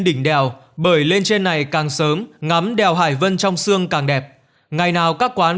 đỉnh đèo bởi lên trên này càng sớm ngắm đèo hải vân trong sương càng đẹp ngày nào các quán